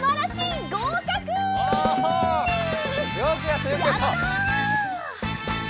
やった！